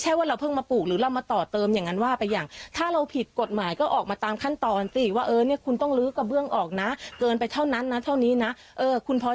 จึงถามว่าเราพอใจไหม